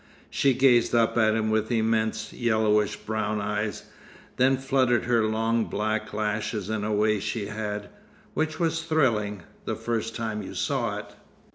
She gazed up at him with immense, yellowish brown eyes, then fluttered her long black lashes in a way she had, which was thrilling the first time you saw it.